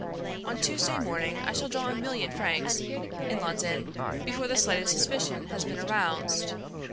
On Tuesday morning I shall draw a million francs in London before the slightest suspicion has been aroused.